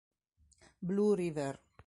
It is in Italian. Blue River